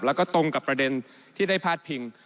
แล้วก็ตรงกับประเด็นที่ได้พาดพิง